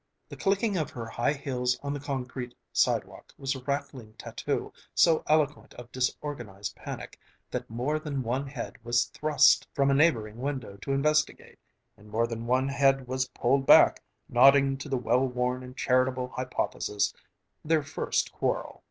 The clicking of her high heels on the concrete sidewalk was a rattling tattoo so eloquent of disorganized panic that more than one head was thrust from a neighboring window to investigate, and more than one head was pulled back, nodding to the well worn and charitable hypothesis, "Their first quarrel."